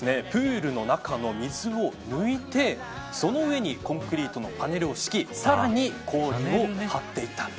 プールの中の水を抜いてその上にコンクリートのパネルを敷きさらに氷を張っていった。